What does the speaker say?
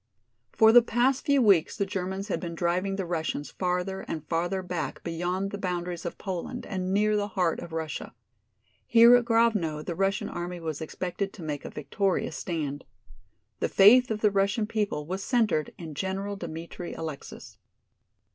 For the past few weeks the Germans had been driving the Russians farther and farther back beyond the boundaries of Poland and near the heart of Russia. Here at Grovno the Russian army was expected to make a victorious stand. The faith of the Russian people was centered in General Dmitri Alexis.